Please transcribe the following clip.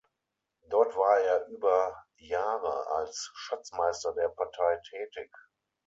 Dort war er über Jahre als Schatzmeister der Partei tätig.